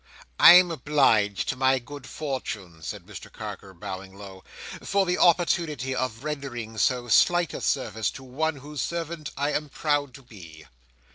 "I am obliged to my good fortune," said Mr Carker, bowing low, "for the opportunity of rendering so slight a service to one whose servant I am proud to be."